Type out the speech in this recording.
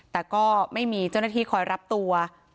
แต่ก็ไม่มีเจ้าหน้าที่คอยรับตัว